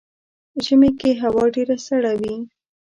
ژمی کې هوا ډیره سړه وي .